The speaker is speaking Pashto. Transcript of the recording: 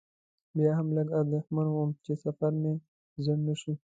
بیا هم لږ اندېښمن وم چې سفر مې خنډ نه شي.